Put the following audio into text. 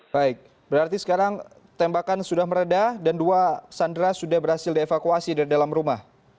baik berarti sekarang tembakan sudah meredah dan dua sandera sudah berhasil dievakuasi dari dalam rumah